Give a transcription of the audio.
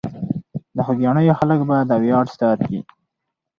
د خوګیاڼیو خلک به دا ویاړ ساتي.